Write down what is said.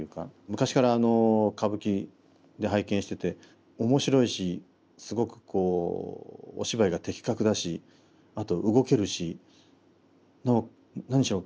昔から歌舞伎で拝見してて面白いしすごくお芝居が的確だしあと動けるし何しろ